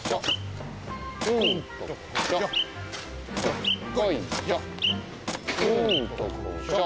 うんとこしょ。